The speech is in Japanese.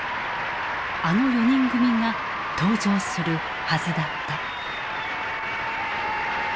あの４人組が登場するはずだった。